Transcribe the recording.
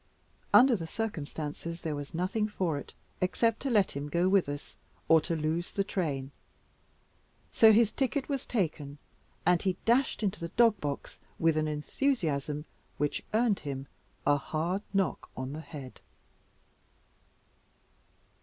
Under the circumstances there was nothing for it, except to let him go with us, or to lose the train. So his ticket was taken, and he dashed into the dog box with an enthusiasm which earned him a hard knock on the head.